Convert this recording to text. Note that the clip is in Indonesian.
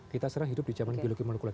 kita sekarang hidup di zaman biologi molekuler